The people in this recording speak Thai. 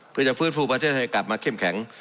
เพื่อจะฟื้นฟูประเทศให้กลับมาเข้มแข็ง